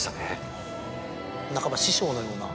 半ば師匠のような？